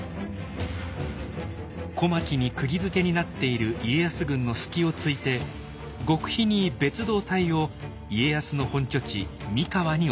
小牧にくぎづけになっている家康軍の隙をついて極秘に別働隊を家康の本拠地三河に送ります。